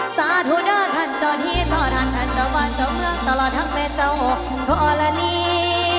สาธุเดอร์คันเจ้าที่เจ้าท่านท่านเจ้าว่าเจ้าเมืองตลอดทั้งเมฆเจ้าพอละนี้